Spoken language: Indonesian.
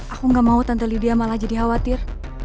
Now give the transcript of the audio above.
aku gak mau tante lidia malah jadi khawatir